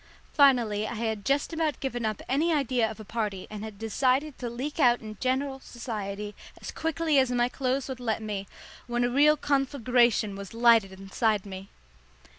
Finally I had just about given up any idea of a party and had decided to leak out in general society as quietly as my clothes would let me, when a real conflagration was lighted inside me.